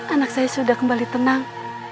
anak saya sudah kembali tenang